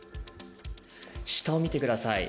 下を見てください。